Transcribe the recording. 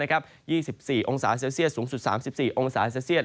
๒๔องศาเซลเซียสสูงสุด๓๔องศาเซลเซียต